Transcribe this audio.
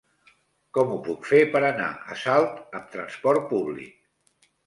Com ho puc fer per anar a Salt amb trasport públic?